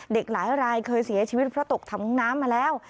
หลายรายเคยเสียชีวิตเพราะตกถังน้ำมาแล้ว